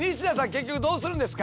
結局どうするんですか？